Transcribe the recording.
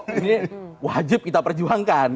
ini wajib kita perjuangkan